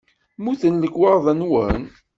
Mmuten lekwaɣeḍ-nwen?